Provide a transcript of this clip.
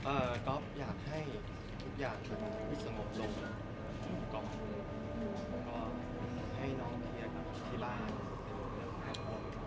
เอ่อก๊อฟอยากให้ทุกอย่างเป็นพิสงค์ลงก็ให้น้องเคลียร์กลับที่บ้าน